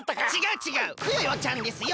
クヨヨちゃんですよ